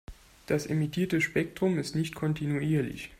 Das emittierte Spektrum ist nicht kontinuierlich.